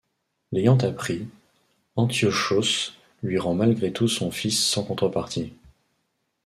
L'ayant appris, Antiochos lui rend malgré tout son fils sans contrepartie.